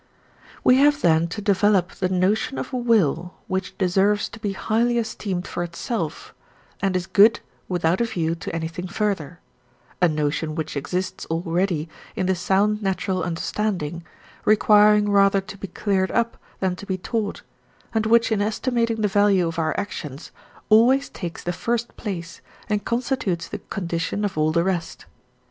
We have then to develop the notion of a will which deserves to be highly esteemed for itself and is good without a view to anything further, a notion which exists already in the sound natural understanding, requiring rather to be cleared up than to be taught, and which in estimating the value of our actions always takes the first place and constitutes the condition of all the rest.